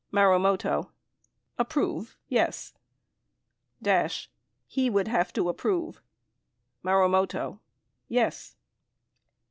Marumoto. Approve, yes. Dash. He would have to approve ? Marumoto. Yes.